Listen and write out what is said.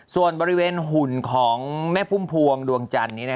ส่วนบริเวณหุ่นของแม่พุ่มพวงดวงจันทร์นี้